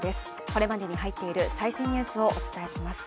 これまでに入っている最新ニュースをお伝えします。